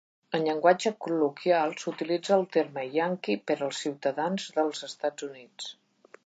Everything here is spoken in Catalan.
En llenguatge col·loquial, s'utilitza el terme "yankee" per als ciutadans dels Estats Units.